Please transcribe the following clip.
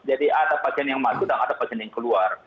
jadi ada pasien yang masuk dan ada pasien yang keluar